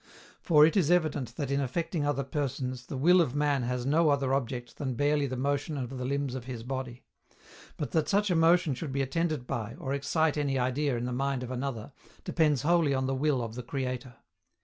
For, it is evident that in affecting other persons the will of man has no other object than barely the motion of the limbs of his body; but that such a motion should be attended by, or excite any idea in the mind of another, depends wholly on the will of the Creator.